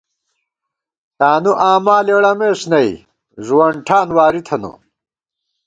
تانُو آما لېڑَمېس نئ ، ݫُوَن ٹھان واری تھنہ